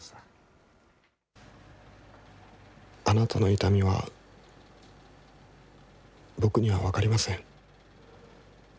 あなたの痛みは、僕には分かりません。